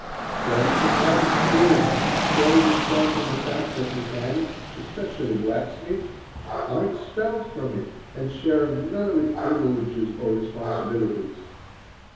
The aristocratic spirit shows itself in the fact that mechanics, especially blacksmiths, are expelled from it and share none of its privileges or responsibilities.